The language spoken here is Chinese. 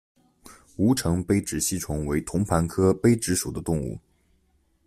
吴城杯殖吸虫为同盘科杯殖属的动物。